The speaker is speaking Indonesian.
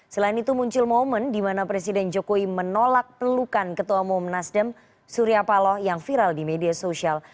selain itu muncul momen di mana presiden jokowi menolak pelukan ketua umum nasdem surya paloh yang viral di media sosial